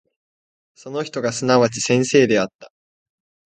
その人がすなわち先生であった。